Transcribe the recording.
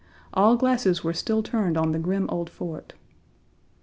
All glasses were still turned on the grim old fort.